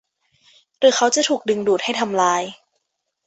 หรือเขาจะถูกดึงดูดให้ทำลาย